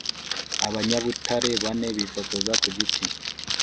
abanyabutare bane bifotoza ku giti